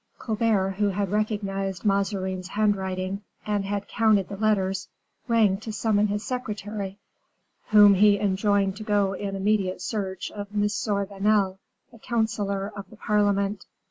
Colbert, who had recognized Mazarin's handwriting, and had counted the letters, rang to summon his secretary, whom he enjoined to go in immediate search of M. Vanel, a counselor of the parliament.